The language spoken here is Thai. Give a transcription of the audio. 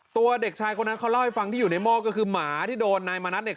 ตัวเด็กชายคนนั้นเขาเล่าให้ฟังที่อยู่ในหม้อก็คือหมาที่โดนนายมณัฐเนี่ย